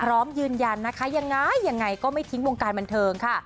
พร้อมยืนยันนะคะยังไงยังไงก็ไม่ทิ้งวงการบันเทิงค่ะ